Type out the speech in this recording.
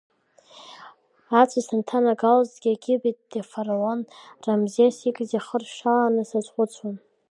Ацәа санҭанагалозгьы Египеттәи афараон Рамзес ихьӡ иахыршаланы сазхәыцуан.